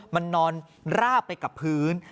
มันนอนราบไปกับพื้น